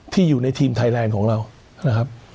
อยู่ในทีมไทยแลนด์ของเรานะครับ